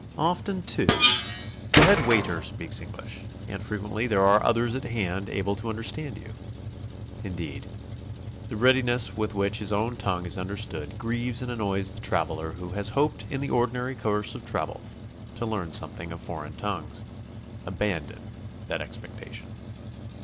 Often, too, the head waiter speaks English, and frequently there are others at hand able to understand you. Indeed, the readi ness with which his own tongue is understood grieves and annoys the traveler who has hoped in the ordinary course of travel to learn something of foreign tongues. Abandon that expectation.